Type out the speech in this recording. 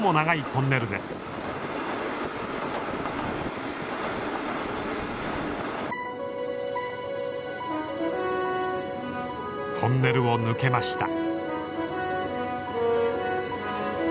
トンネルを抜けました。